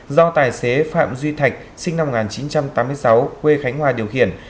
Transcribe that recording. do tài xế phạm duy thạch sinh năm một nghìn chín trăm tám mươi sáu quê khánh hòa điều khiển